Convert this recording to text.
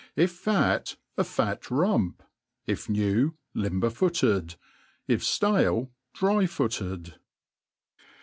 if fat, a fat rump ; if new, limber*, fpottd : if ftale, ihry fopted.